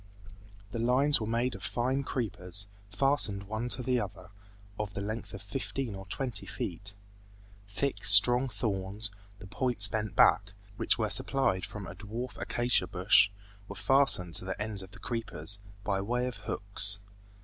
The lines were made of fine creepers, fastened one to the other, of the length of fifteen or twenty feet. Thick, strong thorns, the points bent back (which were supplied from a dwarf acacia bush) were fastened to the ends of the creepers, by way of hooks.